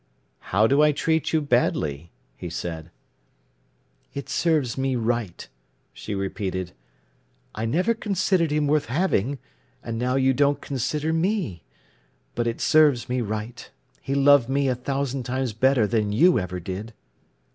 "How do I treat you badly?" he said. "It serves me right," she repeated. "I never considered him worth having, and now you don't consider me. But it serves me right. He loved me a thousand times better than you ever did."